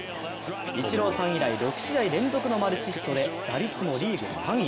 イチローさん以来、６試合連続のマルチヒットで打率もリーグ３位。